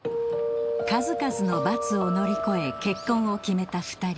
数々のバツを乗り越え結婚を決めた２人。